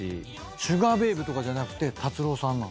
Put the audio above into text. シュガー・ベイブとかじゃなくて達郎さんなの？